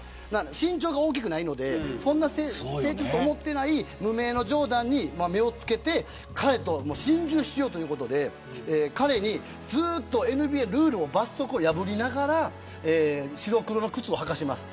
身長が大きくないのでそんな無名のジョーダンに目を付けて彼と心中しようということでＮＢＡの罰則を破りながら白黒の靴を履かせます。